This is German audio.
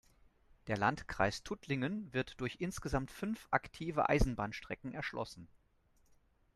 Der Landkreis Tuttlingen wird durch insgesamt fünf aktive Eisenbahnstrecken erschlossen.